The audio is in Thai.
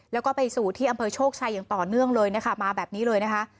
แล้วก็ไปสู่ที่อำเภอโชคชัยอย่างต่อเนื่องเลยนะคะมาแบบนี้เลยนะคะ